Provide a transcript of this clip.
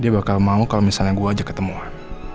dia bakal mau kalo misalnya gue ajak ketemuan